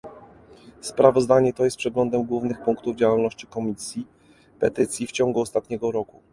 Sprawozdanie to jest przeglądem głównych punktów działalności Komisji Petycji w ciągu ostatniego roku